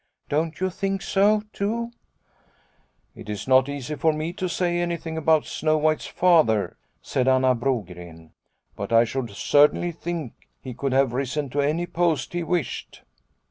Don't you think so, too ?"" It is not easy for me to say anything about Snow White's Father," said Anna Brogren. " But I should certainly think he could have risen to any post he wished."